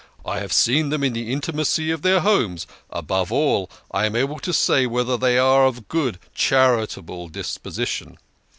I have seen them in the intimacy of their homes above all I am able to say whether they are of a good, charitable disposition.